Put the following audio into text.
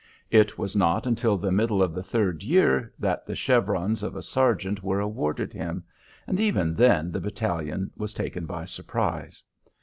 It was not until the middle of the third year that the chevrons of a sergeant were awarded him, and even then the battalion was taken by surprise.